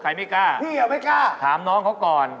ไม่กล้าพี่ไม่กล้าถามน้องเขาก่อน